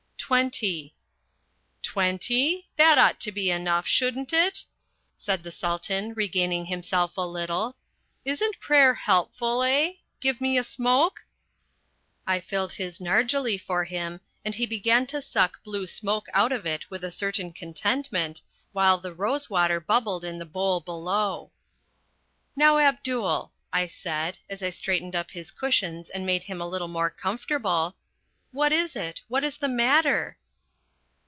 "Twenty." "Twenty? That ought to be enough, shouldn't it?" said the Sultan, regaining himself a little. "Isn't prayer helpful, eh? Give me a smoke?" I filled his narghileh for him, and he began to suck blue smoke out of it with a certain contentment, while the rose water bubbled in the bowl below. "Now, Abdul," I said, as I straightened up his cushions and made him a little more comfortable, "what is it? What is the matter?"